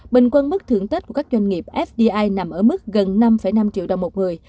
bình quân mức thưởng tết của các doanh nghiệp fdi nằm ở mức gần năm năm triệu đồng một người